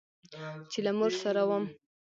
چې له مور سره وم.